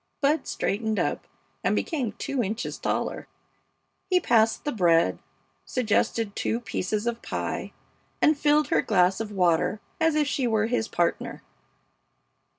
Bud straightened up and became two inches taller. He passed the bread, suggested two pieces of pie, and filled her glass of water as if she were his partner.